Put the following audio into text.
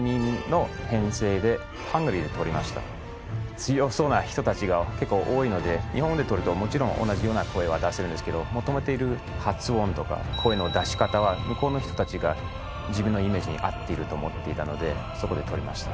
強そうな人たちが結構多いので日本で録るともちろん同じような声は出せるんですけど求めている発音とか声の出し方は向こうの人たちが自分のイメージに合っていると思っていたのでそこで録りました。